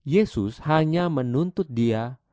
yesus hanya menuntut dia